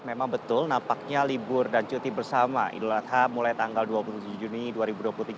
memang betul nampaknya libur dan cuti bersama idul adha mulai tanggal dua puluh tujuh juni dua ribu dua puluh tiga